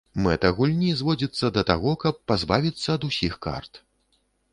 Мэта гульні зводзіцца да таго, каб пазбавіцца ад усіх карт.